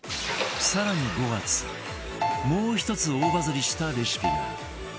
更に５月もう１つ大バズりしたレシピが